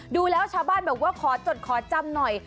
ดูแล้วชาวบ้านบอกว่าขอจดขอจำหน่อย